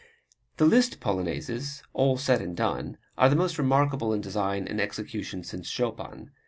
The Liszt Polonaises, all said and done, are the most remarkable in design and execution since Chopin.